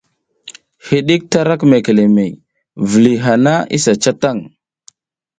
Hiɗik tarak mekelemehey, viliy hanay na i ca tan.